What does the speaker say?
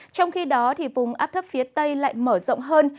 trong khi đó vùng áp thấp phía tây lại mở rộng hơn